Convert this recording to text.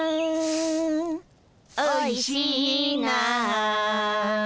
「おいしいな」